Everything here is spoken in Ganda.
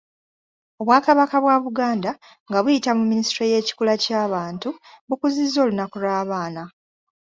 Obwakabaka bwa Buganda nga buyita mu Minisitule y’ekikula ky’abantu bukuzizza olunaku lw’abaana.